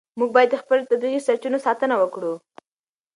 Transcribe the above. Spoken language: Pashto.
موږ باید د خپلو طبیعي سرچینو ساتنه وکړو.